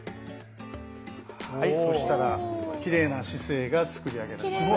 そうしたらきれいな姿勢が作り上げられますね。